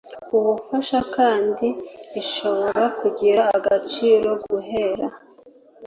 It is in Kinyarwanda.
ububasha kandi rishobora kugira agaciro guhera